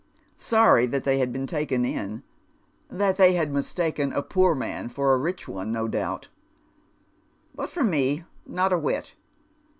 " Sorry that they had been taken in — that tliey had mistaken a poor man for a rich one, no doubt ; but for me, not a whit.